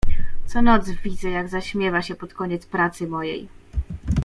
"Co noc widzę, jak zaśmiewa się pod koniec pracy mojej."